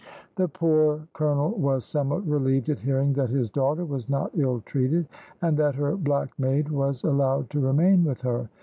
The poor colonel was somewhat relieved at hearing that his daughter was not ill treated, and that her black maid was allowed to remain with her.